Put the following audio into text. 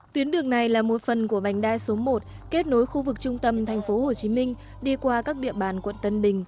tuyến đường này là một phần của vành đai số một kết nối khu vực trung tâm tp hcm đi qua các địa bàn quận tân bình